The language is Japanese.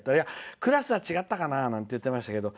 クラスは違ったかなって言っていましたけど。